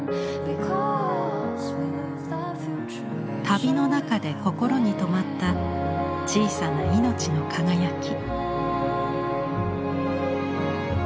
旅の中で心に留まった小さな命の輝き。